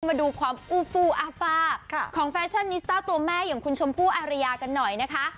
มาดูความอูฟูอาฟาของแฟชั่นนิสต้าตัวแม่อย่างคุณชมพู่อารยากันหน่อยนะคะ